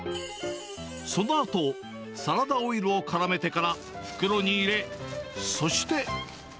そのあと、サラダオイルをからめてから袋に入れ、そして。